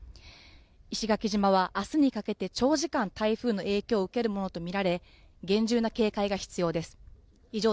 石垣島はあすにかけて長時間台風の影響を受けるものと見られ厳重な警戒が必要です以上